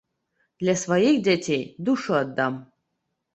Для сваіх дзяцей душу аддам.